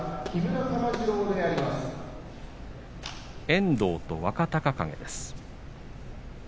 遠藤と若隆景です。